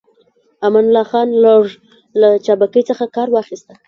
امان الله خان لږ له چابکۍ څخه کار واخيست.